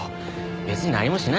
別に何もしないよ。